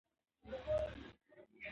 ښارونه د افغانستان د اقتصاد برخه ده.